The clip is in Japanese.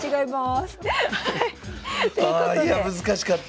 あいや難しかった！